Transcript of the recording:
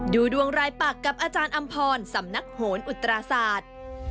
ดูดวงรายปากกับอาจารย์อำพรสำนักโหนอุตราศาสตร์